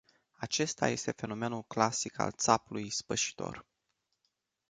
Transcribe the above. Acesta este fenomenul clasic al țapului ispășitor.